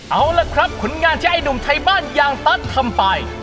เอาล่ะครับผลงานที่ไอ้หนุ่มไทยบ้านยางตั๊ดทำไป